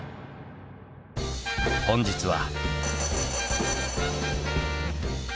本日は。